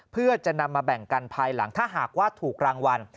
เพื่อจะนำมาแบ่งกันภายหลังถ้าหากว่าถูกรางวัล